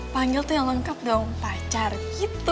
panggil tuh yang lengkap dong pacar gitu